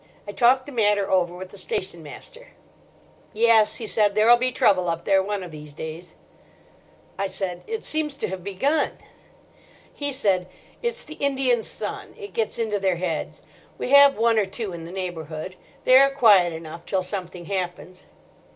I talked the matter over with the station master. "'Yes,' he said, 'there'll be trouble up there one of these days.' "I said, 'It seems to me to have begun.' "He said, 'It's the Indian sun. It gets into their heads. We have one or two in the neighbourhood. They are quiet enough till something happens.